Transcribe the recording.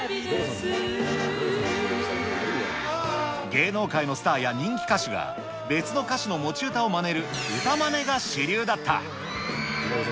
芸能界のスターや人気歌手が、別の歌手の持ち歌をまねる、歌まねが主流だった。